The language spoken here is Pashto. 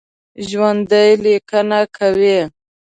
ژوندي لیکنه کوي